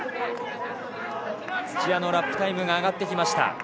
土屋のラップタイムが上がってきました。